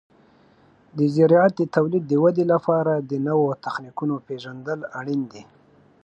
د زراعت د تولید د ودې لپاره د نوو تخنیکونو پیژندل اړین دي.